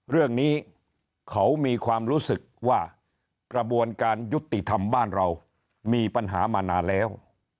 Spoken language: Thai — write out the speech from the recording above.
เรื่องนี้เขามีความรู้สึกว่ากระบวนการยุติธรรมบ้านเรามีปัญหามานานแล้ว